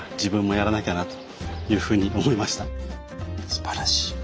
すばらしい。